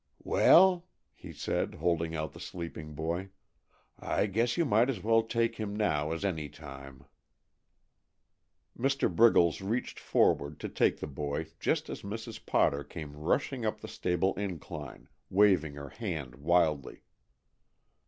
"Well," he said, holding out the sleeping boy, "I guess you might as well take him now as any time." Mr. Briggles reached forward to take the boy just as Mrs. Potter came rushing up the stable incline, waving her hand wildly.